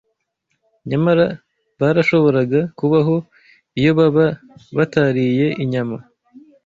nyamara barashoboraga kubaho iyo baba batariye inyama